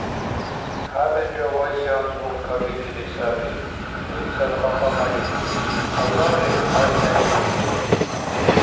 ХӀябилра вайси анцӀбукь кабикили саби. Илцад кьакьамарикӀуд, аллагьли хӀу лайхӀерикӀури.